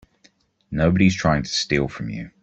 Nobody's trying to steal from you.